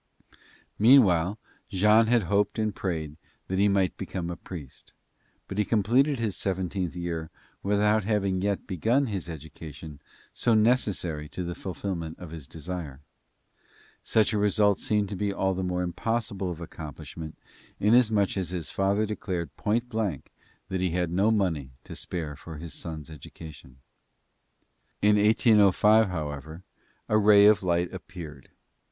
Meanwhile Jean had hoped and prayed that he might become a priest, but he completed his seventeenth year without having yet begun his education so necessary to the fulfillment of his desire. Such a result seemed to be all the more impossible of accomplishment inasmuch as his father declared point blank that he had no money to spare for his son's education. In 1805, however, a ray of light appeared.